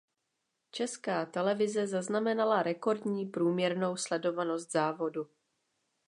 Česká televize zaznamenala rekordní průměrnou sledovanost závodu.